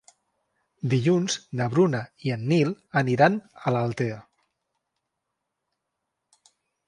Dilluns na Bruna i en Nil aniran a Altea.